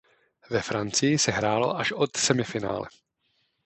Ve Francii se hrálo až od semifinále.